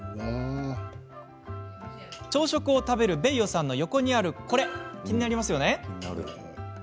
朝食を食べるベイヨさんの横にあるこれ、気になりますよね。